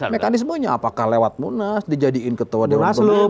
mekanismenya apakah lewat munas dijadiin ketua dewan